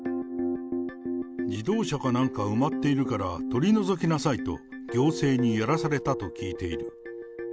自動車かなんか埋まっているから、取り除きなさいと行政にやらされたと聞いている。